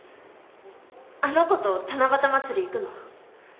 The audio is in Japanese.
あの子と七夕祭り行くの？